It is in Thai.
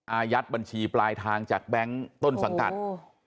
อายัดบัญชีปลายทางจากแบงค์ต้นสังกัด